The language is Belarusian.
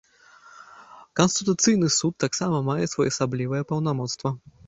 Канстытуцыйны суд таксама мае своеасаблівае паўнамоцтва.